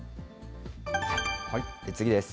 次です。